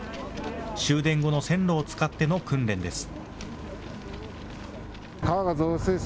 終電後の線路を使っての訓練です。